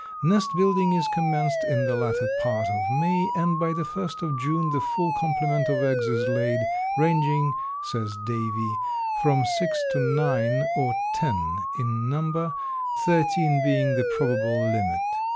Nest building is commenced in the latter part of May, and by the first of June the full complement of eggs is laid, ranging, says Davie, from six to nine or ten in number, thirteen being the probable limit.